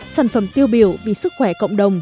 sản phẩm tiêu biểu vì sức khỏe cộng đồng